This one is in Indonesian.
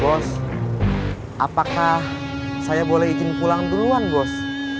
bos apakah saya boleh izin pulang duluan bos